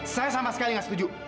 saya sama sekali nggak setuju